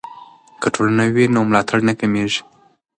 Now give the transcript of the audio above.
که ټولنه وي نو ملاتړ نه کمېږي.